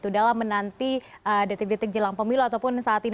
dalam menanti detik detik jelang pemilu ataupun saat ini